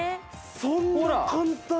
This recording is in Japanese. そんな簡単に！？